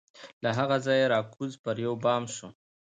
له هغه ځایه را کوز پر یوه بام سو